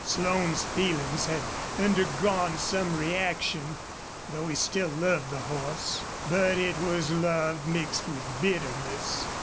Slone's feelings had undergone some reaction, though he still loved the horse. But it was love mixed with bitterness.